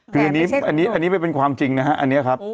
คืออันนี้ไม่เป็นความจริงนะฮะอันนี้ครับ